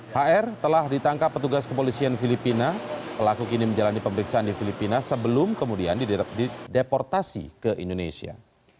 hr telah ditangkap petugas kepolisian filipina pelaku kini menjalani pemeriksaan di filipina sebelum kemudian dideportasi ke indonesia